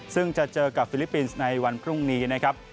ซึ่งจะเจอกับฟิลิปปินส์ในวันพรุ่งนี้นะครับ